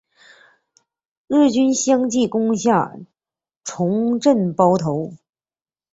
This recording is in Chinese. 日军相继攻下重镇包头。